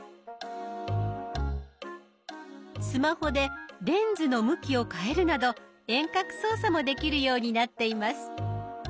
スマホでレンズの向きを変えるなど遠隔操作もできるようになっています。